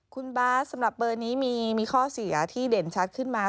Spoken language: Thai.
คุณบาสสำหรับเบอร์นี้มีข้อเสียที่เด่นชัดขึ้นมา